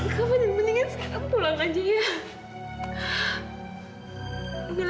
aku sama sekali gak pernah tertekan mila